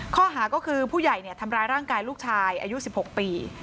ข้อหาก็คือผู้ใหญ่ทำร้ายร่างกายลูกชายอายุ๑๖ปี